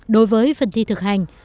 đối với phần thi thực hành